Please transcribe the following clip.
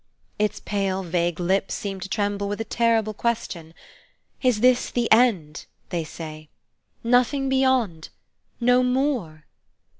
Its pale, vague lips seem to tremble with a terrible question. "Is this the End?" they say, "nothing beyond? no more?"